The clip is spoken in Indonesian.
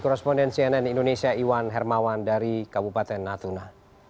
koresponden cnn indonesia iwan hermawan dari kabupaten natuna